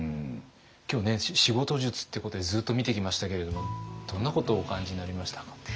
今日ね仕事術ってことでずっと見てきましたけれどもどんなことをお感じになりましたか？